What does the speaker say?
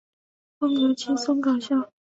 风格轻松搞笑。